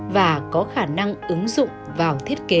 và có khả năng ứng dụng vào thiết kế